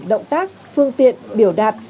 động tác phương tiện biểu đạt